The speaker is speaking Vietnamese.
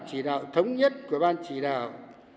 chỉ đạo thống nhất của ban chỉ đạo